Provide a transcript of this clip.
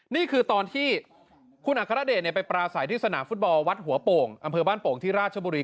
นี่คือตอนที่คุณอัครเดชไปปราศัยที่สนามฟุตบอลวัดหัวโป่งอำเภอบ้านโป่งที่ราชบุรี